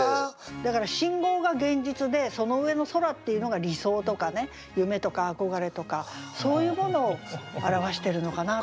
だから「信号」が現実でその上の「空」っていうのが理想とかね夢とか憧れとかそういうものを表してるのかなと思いますね。